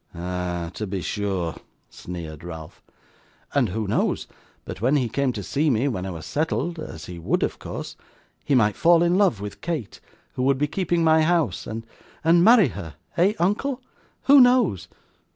'Ah, to be sure!' sneered Ralph. 'And who knows, but when he came to see me when I was settled (as he would of course), he might fall in love with Kate, who would be keeping my house, and and marry her, eh! uncle? Who knows?